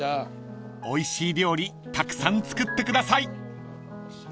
［おいしい料理たくさん作ってください］